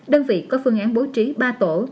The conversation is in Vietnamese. đơn vị có phương án bố trí ba tổ